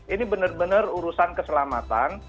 ini bener bener urusan keselamatan